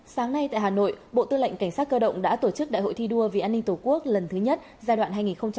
sáng nay tại hà nội bộ tư lệnh cảnh sát cơ động đã tổ chức đại hội thi đua vì an ninh tổ quốc lần thứ nhất giai đoạn hai nghìn hai mươi hai nghìn hai mươi năm